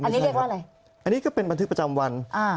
อันนี้เรียกว่าอะไรอันนี้ก็เป็นบันทึกประจำวัน